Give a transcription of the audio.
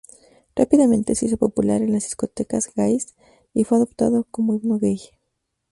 Rápidamente se hizo popular en las discotecas gais y fue adoptado como himno gay.